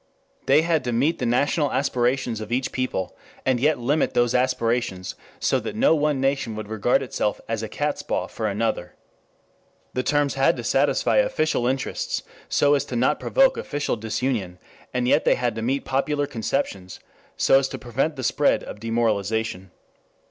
They had to meet the national aspirations of each people, and yet to limit those aspirations so that no one nation would regard itself as a catspaw for another. The terms had to satisfy official interests so as not to provoke official disunion, and yet they had to meet popular conceptions so as to prevent the spread of demoralization.